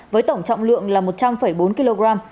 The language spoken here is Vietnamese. với tổng trọng lượng là một trăm linh bốn kg